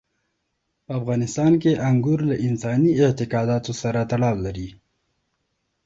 په افغانستان کې انګور له انساني اعتقاداتو سره تړاو لري.